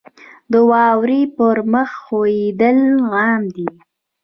• د واورې پر مخ ښویېدل عام دي.